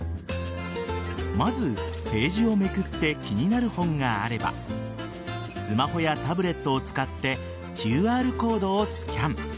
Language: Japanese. まず、ページをめくって気になる本があればスマホやタブレットを使ってＱＲコードをスキャン。